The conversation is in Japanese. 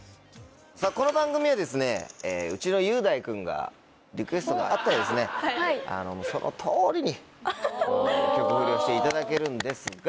さぁこの番組はですねうちの雄大君がリクエストがあったらですねその通りに曲フリをしていただけるんですが。